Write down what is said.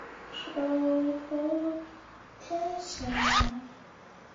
魔多客也是一名天才级科学家和战略家。